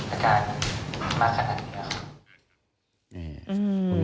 อาการมากขนาดนี้แล้วครับ